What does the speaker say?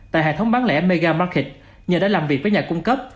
tại hệ thống bán lẻ mega market nhờ đã làm việc với nhà cung cấp